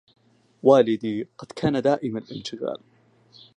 والدي قد كان دائم الانشغال